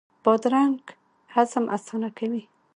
بادرنګ هضم اسانه کوي.